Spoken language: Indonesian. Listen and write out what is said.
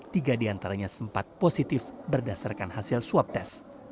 tiga diantaranya sempat positif berdasarkan hasil swab test